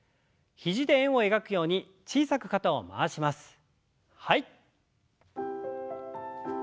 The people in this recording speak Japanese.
肘で円を描くように小さく肩を回しましょう。